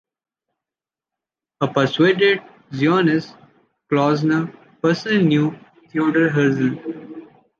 A persuaded Zionist, Klausner personally knew Theodor Herzl.